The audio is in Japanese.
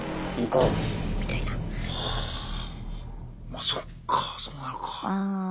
まそっかそうなるか。